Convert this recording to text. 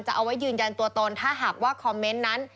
เอาไว้ยืนยันตัวตนถ้าหากว่าคอมเมนต์นั้น